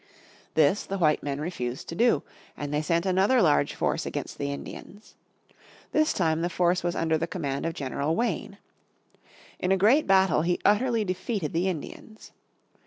This the white men refused to do, and they sent another large force against the Indians. This time the force was under the command of General Wayne. In a great battle he utterly defeated the Indians.